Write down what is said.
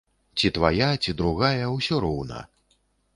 Ці твая, ці другая, усё роўна!